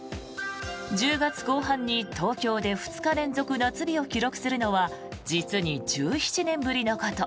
１０月後半に東京で２日連続夏日を記録するのは実に１７年ぶりのこと。